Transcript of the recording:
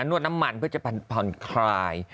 นวดน้ำมันเพื่อจะผ่อนคลาย